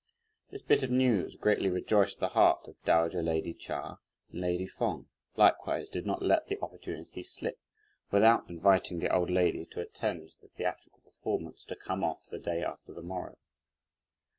This bit of news greatly rejoiced the heart of dowager lady Chia, and lady Feng likewise did not let the opportunity slip, without inviting the old lady to attend the theatrical performance to come off the day after the morrow.